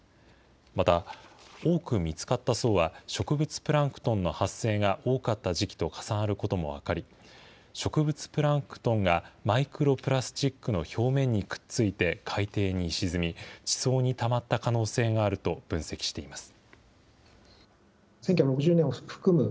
また、多く見つかった層は植物プランクトンの発生が多かった時期と重なることも分かり、植物プランクトンがマイクロプラスチックの表面にくっついて海底に沈み、地層にたまった可能性があると分析しています。